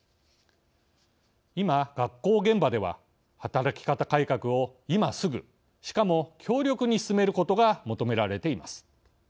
今、学校現場では働き方改革を今すぐしかも強力に進めることが求められています。